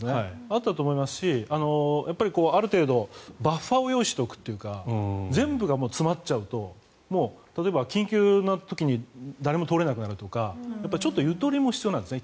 あったと思いますしある程度、バッファーを用意しておくというか全部が詰まっちゃうと例えば緊急な時に誰も通れなくなるとかちょっとゆとりも必要なんですね。